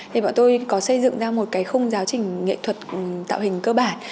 thì bọn tôi có xây dựng ra một cái khung giáo trình nghệ thuật tạo hình cơ bản